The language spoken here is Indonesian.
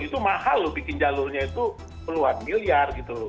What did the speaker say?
itu mahal loh bikin jalurnya itu keluaran miliar gitu